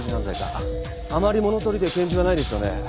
あまり物取りで拳銃はないですよね。